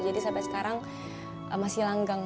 jadi sampai sekarang masih langgang